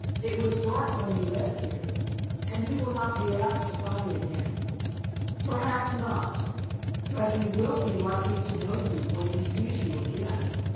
"It was dark when he left here, and he will not be apt to find it again." "Perhaps not, but he will be likely to know you when he sees you again.